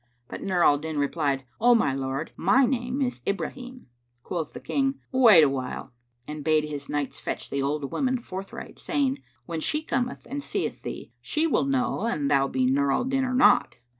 But Nur al Din replied, "O my lord, my name is Ibrahim." Quoth the King, "Wait a while," and bade his knights fetch the old woman forthright, saying, "When she cometh and seeth thee, she will know an thou be Nur al Din or not."